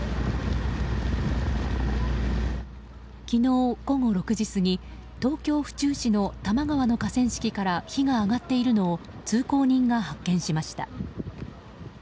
昨日午後６時過ぎ東京・府中市の多摩川の河川敷から火が上がっているのを通行人が発見しました。